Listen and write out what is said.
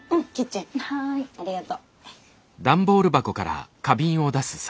はい。ありがと。